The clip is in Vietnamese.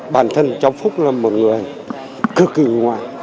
bản thân trong phúc là một người cực kỳ ngoại